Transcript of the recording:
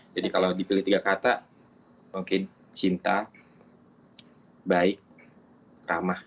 jadi kalau dipilih tiga kata mungkin cinta baik ramah